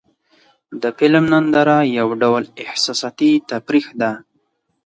د فلم ننداره یو ډول احساساتي تفریح ده.